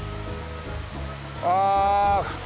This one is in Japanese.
ああ。